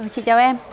chị chào em